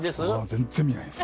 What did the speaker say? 全然見ないです。